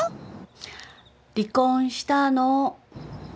離婚したの。